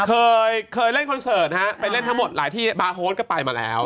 เคยเคยเล่นคอนเสิร์ตนะฮะไปเล่นทั้งหมดหลายที่บาร์โฮสก็ไปมาแล้ว